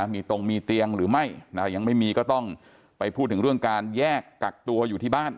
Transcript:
มีตรงมีเตียงหรือไม่ยังไม่มีก็ต้องไปพูดถึงเรื่องการแยกกักตัวอยู่ที่บ้าน